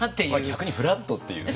逆にフラットっていうね。